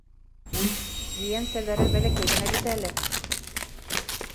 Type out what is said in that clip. Ейәнсәрҙәре бәләкәй генә бит әле.